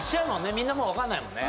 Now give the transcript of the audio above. みんなもう分かんないもんね